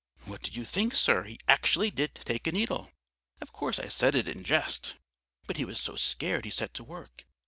"What do you think, sir? He actually did take a needle. Of course I said it in jest, but he was so scared he set to work.